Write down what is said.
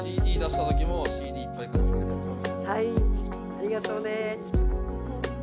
はいありがとうね。